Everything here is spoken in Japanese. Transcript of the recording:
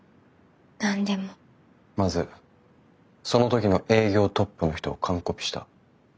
まずその時の営業トップの人を完コピした。